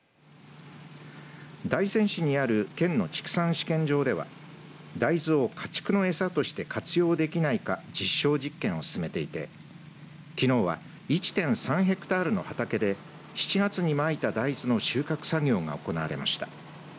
大仙市にある県の畜産試験場では大豆を家畜の餌として活用できないか実証実験を進めていてきのうは１．３ヘクタールの畑で７月にまいた大豆の収穫作業が行われました。